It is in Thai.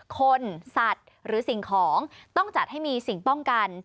คนสัตว์หรือสิ่งของต้องจัดให้มีสิ่งป้องกัน